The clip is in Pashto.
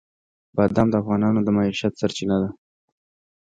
بادام د افغانانو د معیشت سرچینه ده.